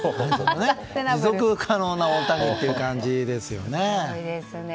持続可能な大谷って感じですよね。